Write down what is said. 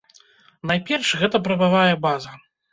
Найперш, гэта прававая база.